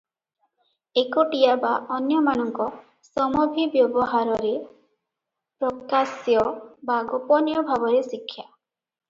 ଏକୁଟିଆ ବା ଅନ୍ୟମାନଙ୍କ ସମଭିବ୍ୟବହାରରେ ପ୍ରକାଶ୍ୟ ବା ଗୋପନୀୟ ଭାବରେ ଶିକ୍ଷା, ।